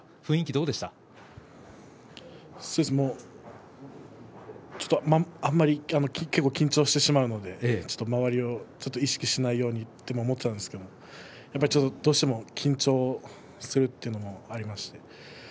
そうですね結構、緊張してしまうので周りを意識しないようにと思っていたんですがどうしても緊張するってことがありまして。